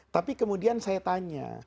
tapi kemudian saya tanya